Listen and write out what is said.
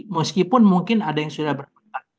meskipun mungkin ada yang sudah berkontak